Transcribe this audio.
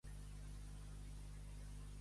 Els de Camarles, gats.